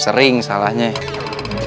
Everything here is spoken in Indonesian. sering salahnya ya